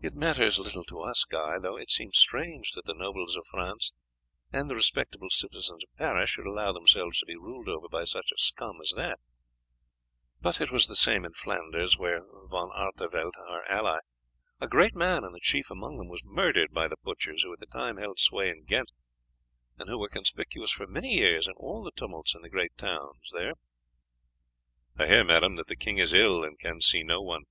"It matters little to us, Guy, though it seems strange that the nobles of France and the respectable citizens of Paris should allow themselves to be ruled over by such a scum as that; but it was the same in Flanders, where Von Artevelde, our ally, a great man and the chief among them, was murdered by the butchers who at the time held sway in Ghent, and who were conspicuous for many years in all the tumults in the great towns there." "I hear, madam, that the king is ill, and can see no one."